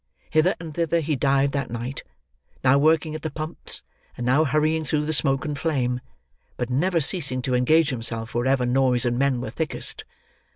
Hither and thither he dived that night: now working at the pumps, and now hurrying through the smoke and flame, but never ceasing to engage himself wherever noise and men were thickest.